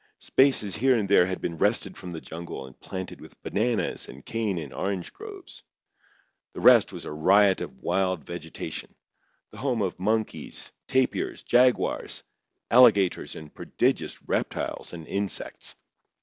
Spaces here and there had been wrested from the jungle and planted with bananas and cane and orange groves. The rest was a riot of wild vegetation, the home of monkeys, tapirs, jaguars, alligators and prodigious reptiles and insects.